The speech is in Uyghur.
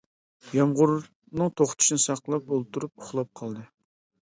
يامغۇرنىڭ توختىشىنى ساقلاپ ئولتۇرۇپ ئۇخلاپ قالدى.